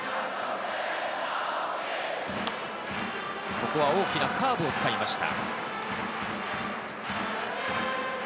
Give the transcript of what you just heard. ここは大きなカーブを使いました。